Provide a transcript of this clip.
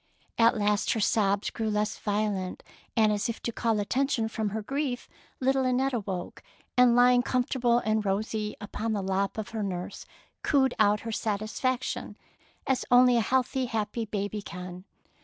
At last her sobs grew less violent, and as if to call attention from her grief, little Annette awoke, and lying comfortable and rosy upon the lap of her nurse, cooed out her satisfaction as only a healthy, happy baby can.